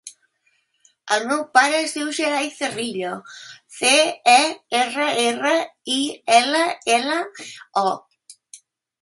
El meu pare es diu Gerai Cerrillo: ce, e, erra, erra, i, ela, ela, o.